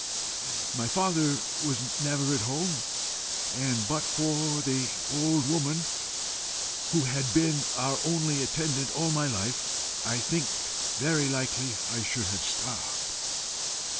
My father was never at home, and but for the old woman who had been our only attendant all my life, I think very likely I should have starved.